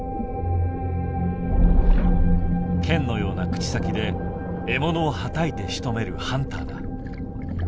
剣のような口先で獲物をはたいてしとめるハンターだ。